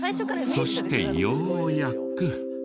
そしてようやく。